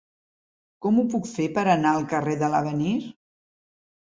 Com ho puc fer per anar al carrer de l'Avenir?